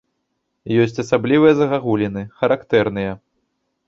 Ёсць асаблівыя загагуліны, характэрныя.